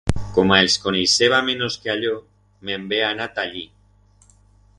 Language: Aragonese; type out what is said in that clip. Coma els coneixeba menos que a yo, me'n ve anar ta allí.